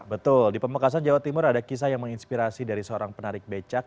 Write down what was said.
betul di pemekasan jawa timur ada kisah yang menginspirasi dari seorang penarik becak